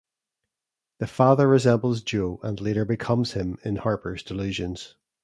The father resembles Joe, and later becomes him in Harper's delusions.